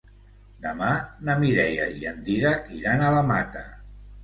Demà na Mireia i en Dídac iran a la Mata.